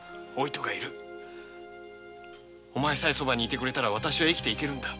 お前さえそばにいてくれたら私は生きていけるのだ。